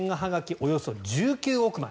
およそ１９億枚。